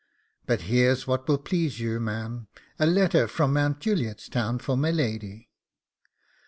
But here's what will please you, ma'am a letter from Mount Juliet's Town for my lady.